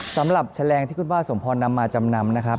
แฉลงที่คุณป้าสมพรนำมาจำนำนะครับ